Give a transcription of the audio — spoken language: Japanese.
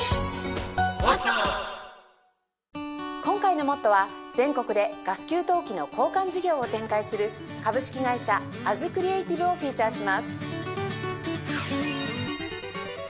今回の『ＭＯＴＴＯ！！』は全国でガス給湯器の交換事業を展開する株式会社アズクリエイティブをフィーチャーします。